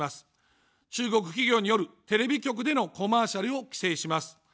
中国企業によるテレビ局でのコマーシャルを規制します。